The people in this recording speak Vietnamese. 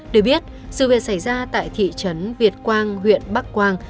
được biết sự việc xảy ra tại thị trấn việt quang huyện bắc quang